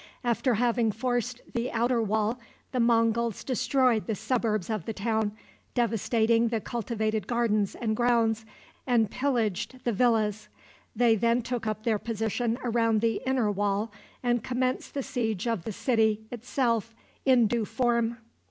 After having forced the outer wall, the Monguls destroyed the suburbs of the town, devastated the cultivated gardens and grounds, and pillaged the villas. They then took up their position around the inner wall, and commenced the siege of the city itself in due form.